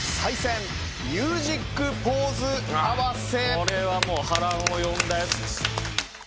これはもう波乱を呼んだやつですよ。